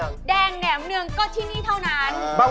แดงแหนมเนืองก็ที่นี่เท่านั้น